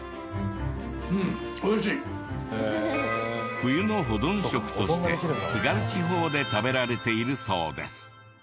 冬の保存食として津軽地方で食べられているそうです。